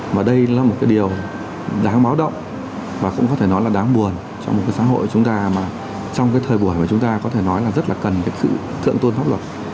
mà đây là một cái điều đáng báo động và cũng có thể nói là đáng buồn trong một cái xã hội chúng ta mà trong cái thời buổi mà chúng ta có thể nói là rất là cần cái sự thượng tôn pháp luật